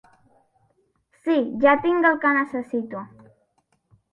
Sí, ja tinc el que necessito.